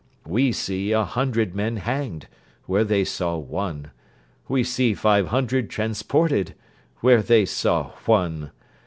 We see a hundred men hanged, where they saw one. We see five hundred transported, where they saw one.